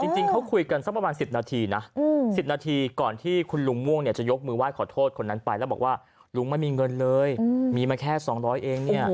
จริงเขาคุยกันสักประมาณ๑๐นาทีนะ๑๐นาทีก่อนที่คุณลุงม่วงเนี่ยจะยกมือไห้ขอโทษคนนั้นไปแล้วบอกว่าลุงไม่มีเงินเลยมีมาแค่๒๐๐เองเนี่ย